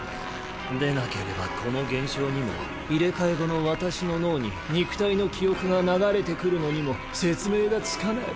でなければこの現象にも入れ替え後の私の脳に肉体の記憶が流れてくるのにも説明がつかない。